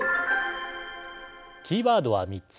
キーワードは３つ。